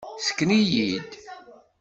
Sken-iyi-d!